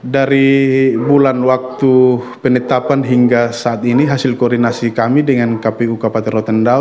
dari bulan waktu penetapan hingga saat ini hasil koordinasi kami dengan kpu kapal terotendau